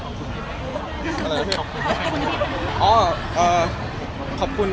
อะไรนะเพื่อน